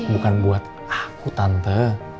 bukan buat aku tante